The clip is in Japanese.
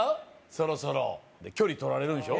そろそろ距離とられるんでしょ